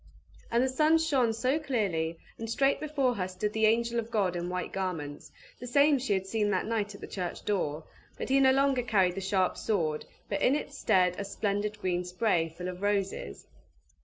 And the sun shone so clearly, and straight before her stood the angel of God in white garments, the same she had seen that night at the church door; but he no longer carried the sharp sword, but in its stead a splendid green spray, full of roses.